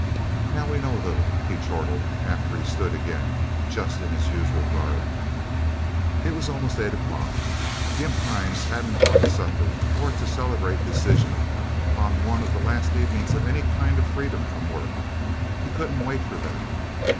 "Now we know a little," he chortled, after he stood again, just in his usual garb. It was almost eight o'clock. Gimp Hines hadn't gone to supper, or to celebrate decision on one of the last evenings of any kind of freedom from work. He couldn't wait for that...